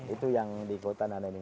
itu yang di hutan ada ini